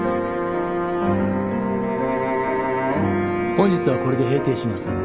本日はこれで閉廷します。